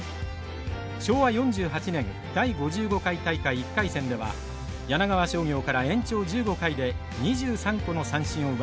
昭和４８年第５５回大会１回戦では柳川商業から延長１５回で２３個の三振を奪います。